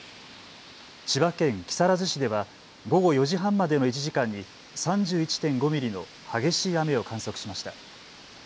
千葉県木更津市では午後４時半までの１時間に３１．５ミリの激しい雨を観測しました。